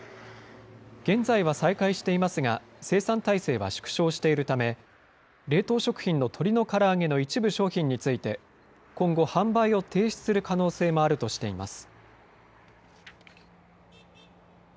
現在は再開していますが、生産態勢は縮小しているため、冷凍食品の鶏のから揚げの一部商品について、今後、販売を停止する可能性もあるとしています。